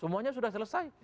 semuanya sudah selesai